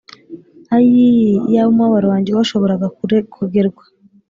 “ayii, iyaba umubabaro wanjye washobora kugerwa